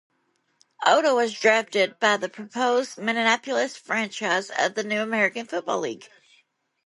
Otto was drafted by the proposed Minneapolis franchise of the new American Football League.